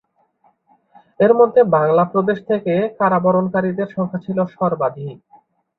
এর মধ্যে বাংলা প্রদেশ থেকে কারাবরণকারীদের সংখ্যা ছিল সর্বাধিক।